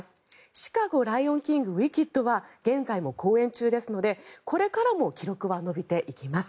「シカゴ」、「ライオンキング」「ウィキッド」は現在も公演中ですのでこれからも記録は伸びていきます。